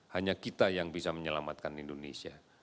hanya kita yang bisa menyelamatkan indonesia